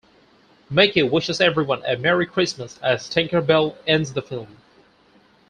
Mickey wishes everyone a Merry Christmas as Tinker Bell ends the film.